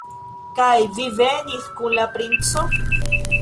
Kaj vi venis kun la princo?